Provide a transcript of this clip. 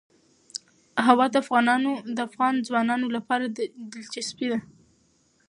هوا د افغان ځوانانو لپاره دلچسپي لري.